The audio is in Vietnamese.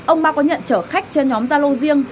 ông bao có nhận chở khách trên nhóm giao lô riêng